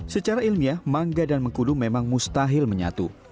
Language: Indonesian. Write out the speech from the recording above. secara ilmiah mangga dan mengkudu memang mustahil menyatu